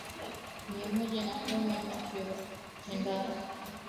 mia moja na kumi Mathew wa Chadema akatokea wa pili kwa kupata kura elfu